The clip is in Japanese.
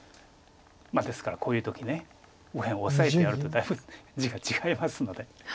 ですからこういう時右辺をオサえてあるとだいぶ地が違いますので。